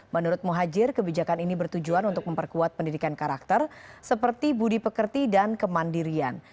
menurut muhajir kebijakan ini bertujuan untuk memperkuat pendidikan karakter seperti budi pekerti dan kemandirian